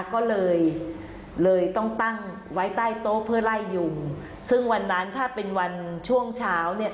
ก็เลยเลยต้องตั้งไว้ใต้โต๊ะเพื่อไล่ยุงซึ่งวันนั้นถ้าเป็นวันช่วงเช้าเนี่ย